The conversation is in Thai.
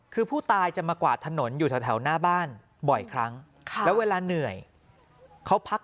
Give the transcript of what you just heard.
คือผู้ตายจะมากวาดถนนอยู่แถวหน้าบ้านบ่อยครั้งแล้วเวลาเหนื่อยเขาพัก